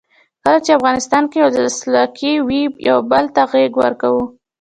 کله چې افغانستان کې ولسواکي وي یو بل ته غیږ ورکوو.